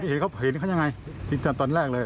หนูตอนแรกเห็นเขาอย่างไรจริงจันตอนแรกเลย